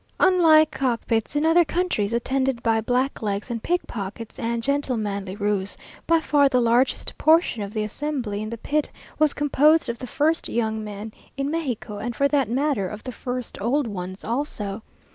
Unlike cock pits in other countries, attended by blacklegs and pickpockets and gentlemanly roues, by far the largest portion of the assembly in the pit was composed of the first young men in Mexico, and for that matter, of the first old ones also.